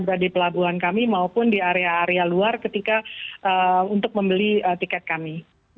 baik di pelabuhan kami maupun di area area luar ketika untuk membeli tiket kami